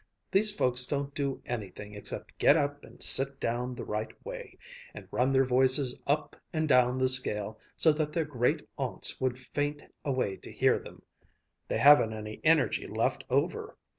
These folks don't do anything except get up and sit down the right way, and run their voices up and down the scale so that their great aunts would faint away to hear them! They haven't any energy left over.